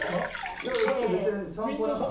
いやいやだって別に「さんぽ」だからね。